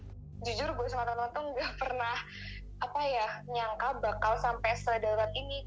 jujur buat semua teman teman tuh nggak pernah apa ya nyangka bakal sampai setelah darurat ini